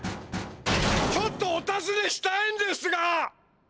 ちょっとおたずねしたいんですが！